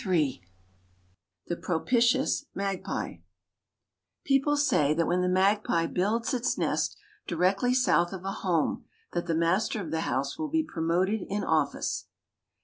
XLIII THE PROPITIOUS MAGPIE People say that when the magpie builds its nest directly south of a home that the master of the house will be promoted in office.